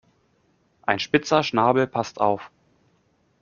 Ein spitzer Schnabel, pass auf!